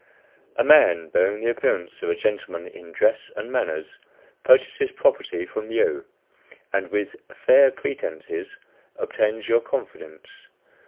A man, bearing the appearance of a gentleman in dress and manners, purchases property from you, and with "fair pretences" obtains your confidence.